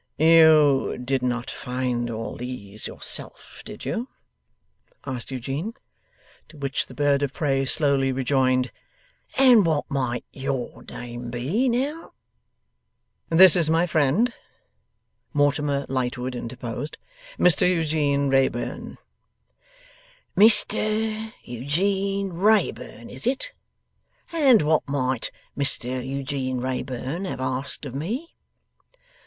'You did not find all these yourself; did you?' asked Eugene. To which the bird of prey slowly rejoined, 'And what might YOUR name be, now?' 'This is my friend,' Mortimer Lightwood interposed; 'Mr Eugene Wrayburn.' 'Mr Eugene Wrayburn, is it? And what might Mr Eugene Wrayburn have asked of me?